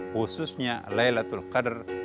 khususnya laylatul qadr